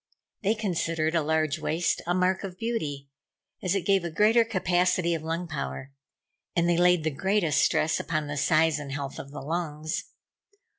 They considered a large waist a mark of beauty, as it gave a greater capacity of lung power; and they laid the greatest stress upon the size and health of the lungs.